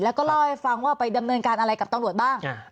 แล้วก็เล่าให้ฟังว่าไปดำเนินการอะไรกับตำรวจบ้าง